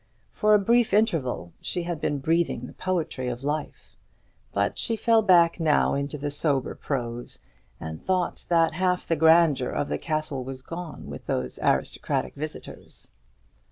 For a brief interval she had been breathing the poetry of life; but she fell back now into the sober prose, and thought that half the grandeur of the castle was gone with those aristocratic visitors.